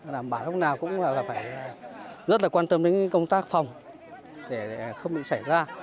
đảm bảo lúc nào cũng phải rất quan tâm đến công tác phòng để không bị xảy ra